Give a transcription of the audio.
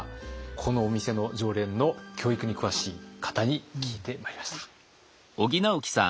このお店の常連の教育に詳しい方に聞いてまいりました。